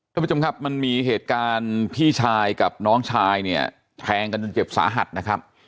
ท่านผู้ชมครับมันมีเหตุการณ์พี่ชายกับน้องชายเนี่ยแทงกันจนเจ็บสาหัสนะครับ